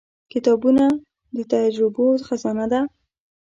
• کتابونه د تجربو خزانه ده.